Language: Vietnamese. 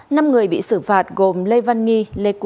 năm người bị xử phạt gồm lê văn nghi lê cô tư